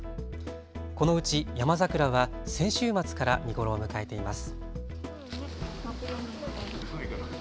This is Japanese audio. このうちヤマザクラは先週末から見頃を迎えています。